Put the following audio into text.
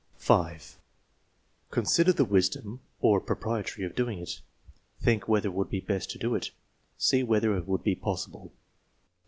(5) Consider the wisdom or propriety of doing it: "Think whether it would be best to do it." "See whether it would be possible."